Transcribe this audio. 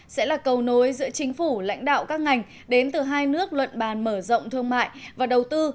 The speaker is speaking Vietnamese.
sẽ là cầu nối giữa chính phủ lãnh đạo các ngành đến từ hai nước luận bàn mở rộng thương mại và đầu tư